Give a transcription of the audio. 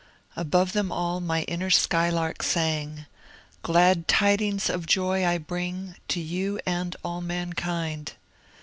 Above them all my inner skylark sang, — Glad tidings of great joy I bring To yon and all mankind.